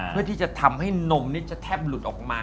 เพื่อที่จะทำให้นมนี่จะแทบหลุดออกมา